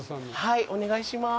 はい、お願いしまーす。